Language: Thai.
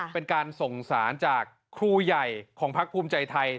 เป็นการส่งสารจากครูใหญ่ของพักภูมิใจไทย